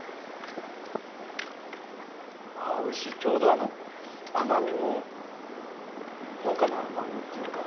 ちょうど甘みもほのかな甘みっていうか。